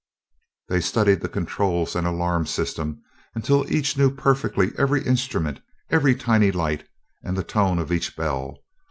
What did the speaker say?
They studied the controls and alarm system until each knew perfectly every instrument, every tiny light, and the tone of each bell.